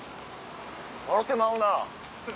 笑うてまうな。